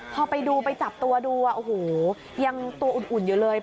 พอไปดูไปจับตัวดูโอ้โหยังตัวอุ่นอยู่เลย